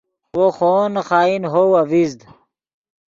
وو خوو نے خائن ہوو اڤزید